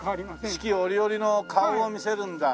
四季折々の顔を見せるんだ。